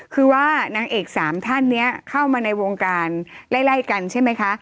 คือว่านางเอกสามท่านนี้เข้ามาในวงการไล่กันใช่ไหมคะ